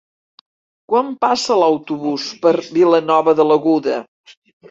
Quan passa l'autobús per Vilanova de l'Aguda?